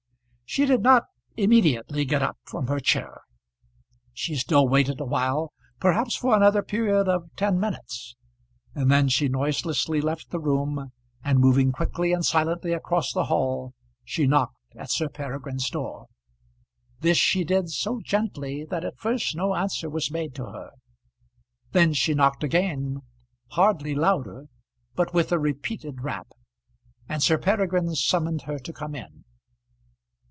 She did not immediately get up from her chair; she still waited awhile, perhaps for another period of ten minutes, and then she noiselessly left the room, and moving quickly and silently across the hall she knocked at Sir Peregrine's door. This she did so gently that at first no answer was made to her. Then she knocked again, hardly louder but with a repeated rap, and Sir Peregrine summoned her to come in.